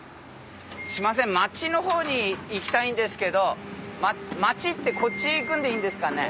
すみません町の方に行きたいんですけど町ってこっち行くんでいいんですかね？